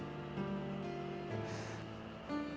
gue mesti kerja apa ya